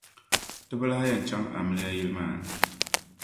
Ti bi lahi yεn chaŋ amiliya yili maa.